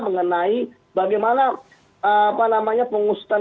mengenai bagaimana apa namanya pengusutan